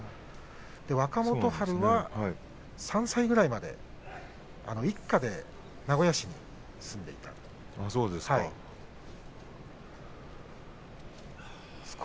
若元春は３歳ぐらいまで一家で名古屋市に住んでいたということです。